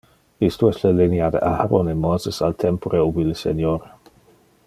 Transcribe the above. Isto es le linea de Aharon e Moses al tempore ubi le Senior